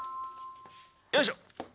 よいしょ。